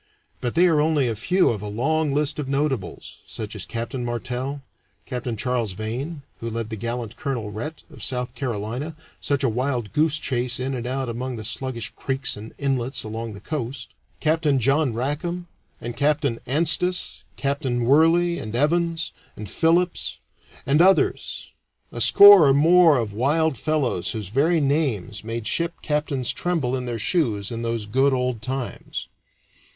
But they are only a few of a long list of notables, such as Captain Martel, Capt. Charles Vane (who led the gallant Colonel Rhett, of South Carolina, such a wild goose chase in and out among the sluggish creeks and inlets along the coast), Capt. John Rackam, and Captain Anstis, Captain Worley, and Evans, and Philips, and others a score or more of wild fellows whose very names made ship captains tremble in their shoes in those good old times.